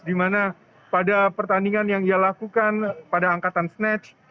di mana pada pertandingan yang ia lakukan pada angkatan snatch